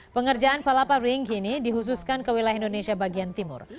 pengerjaan palapa ring kini dihususkan ke wilayah indonesia bagian timur